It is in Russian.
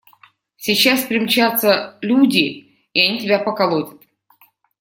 Сейчас примчатся… люди, и они тебя поколотят.